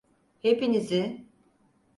Hepinizi…